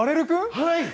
はい！